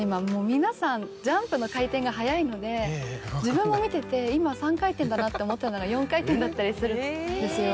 皆さんジャンプの回転が速いので自分も見てて今３回転だなって思ったのが４回転だったりするんですよ。